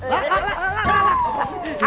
lah lah lah